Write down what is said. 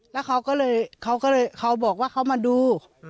แล้วเขาบอกว่าเขามาดู